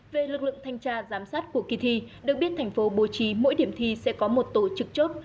về lực lượng thanh tra giám sát của kỳ thi được biết thành phố bố trí mỗi điểm thi sẽ có một tổ chức chốt